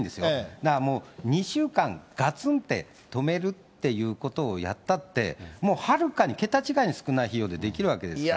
だからもう、２週間、がつんって止めるっていうことをやったって、もうはるかに、桁違いに少ない費用でできるわけですから。